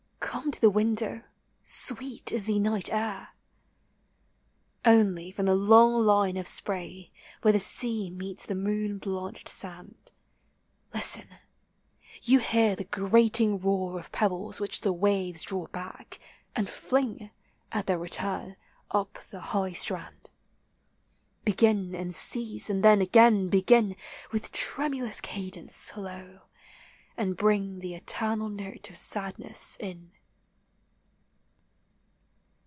Come to the window, sweet is the night air! 424 POEMS OF XATURE. Only, from the long line of spray Where the sea meets the moon blanched sand, Listen : you hear the grating roar < )t pebbles which the waves draw back, and fling, At their return, up the high strand, Begin, and cease, and then again begin, With tremulous cadence slow, and bring The eternal note of sadness in.